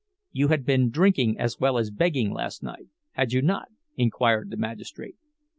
"You had been drinking as well as begging last night, had you not?" inquired the magistrate.